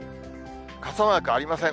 傘マークありません。